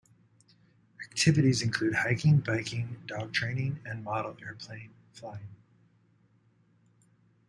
Activities include hiking, biking, dog training, and model airplane flying.